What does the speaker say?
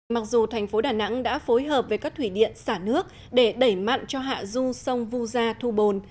mặc dù thành phố đà nẵng đã phối hợp với các thủy điện xả nước để đẩy mặn cho hạ du sông vu gia thu bồn